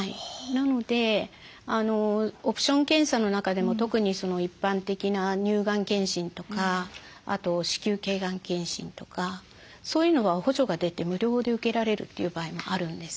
なのでオプション検査の中でも特に一般的な乳がん検診とかあと子宮頸がん検診とかそういうのは補助が出て無料で受けられるという場合もあるんです。